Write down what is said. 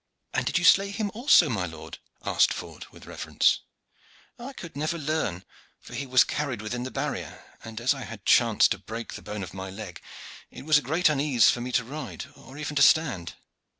"And did you slay him also, my lord?" asked Ford with reverence. "I could never learn, for he was carried within the barrier, and as I had chanced to break the bone of my leg it was a great unease for me to ride or even to stand.